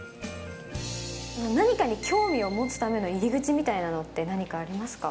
何かに興味を持つための入り口みたいなのって、何かありますか？